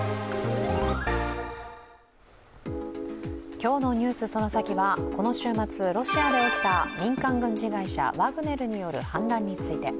今日の「ＮＥＷＳそのサキ！」はこの週末ロシアで起きた民間軍事会社・ワグネルによる反乱について。